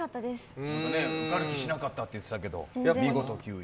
受かる気しなかったと言っていたけど、見事９位。